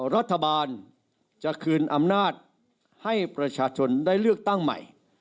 รัฐบาลจะคืนอำนาจให้ประชาชนได้เลือกตั้งใหม่